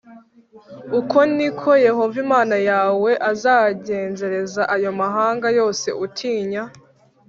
Uko ni ko Yehova Imana yawe azagenzereza ayo mahanga yose utinya.